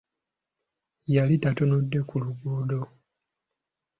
Yali tatunudde ku luguudo.